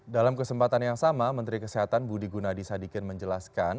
dalam kesempatan yang sama menteri kesehatan budi gunadisadikil menjelaskan